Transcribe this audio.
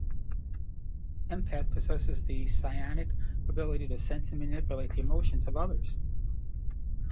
Empath possesses the psionic ability to sense and manipulate the emotions of others.